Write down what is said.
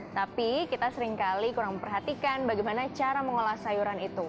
tapi kita seringkali kurang memperhatikan bagaimana cara mengolah sayuran itu